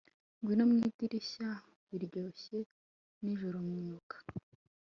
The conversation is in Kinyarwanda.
Ngwino mwidirishya biryoshye nijoromwuka